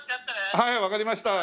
はいわかりました。